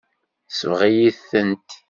Tesbeɣ-iyi-tent.